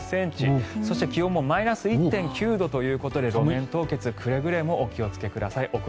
そして気温もマイナス１．９度ということで路面凍結くれぐれもお気をつけください。